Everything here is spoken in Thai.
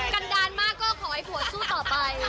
กันดาลมากก็ขอให้ผัวสู้ต่อไป